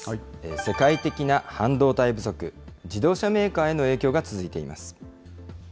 世界的な半導体不足、自動車メーカーへの影響が続いています。